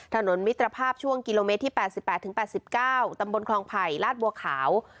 มิตรภาพช่วงกิโลเมตรที่๘๘๙ตำบลคลองไผ่ลาดบัวขาว